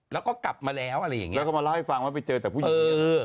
แล้วก็กลับมาแล้วอะไรอย่างนี้แล้วก็มาเล่าให้ฟังว่าไปเจอแต่ผู้หญิง